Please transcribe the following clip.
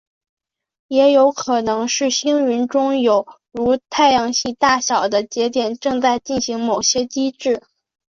也有可能是星云中有如太阳系大小的节点正在进行某些机制。